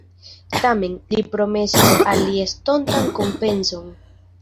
Tamen, li promesis al li estontan kompenson.